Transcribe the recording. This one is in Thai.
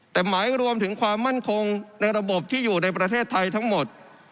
แต่หมายรวมถึงความมั่นคงในระบบที่อยู่ในประเทศไทยทั้งหมด